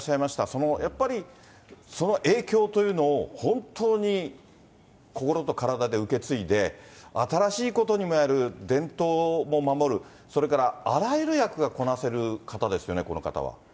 そのやっぱり、その影響というのを本当に心と体で受け継いで、新しいこともやる、伝統も守る、それからあらゆる役がこなせる方ですよね、この方は。